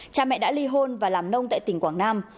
cha mẹ đã ly hôn và làm nông tại tỉnh quảng nam